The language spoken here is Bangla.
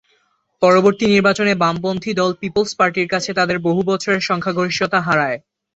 পরবর্তী নির্বাচনে বামপন্থী দল পিপলস পার্টির কাছে তাদের বহু বছরের সংখ্যাগরিষ্ঠতা হারায়।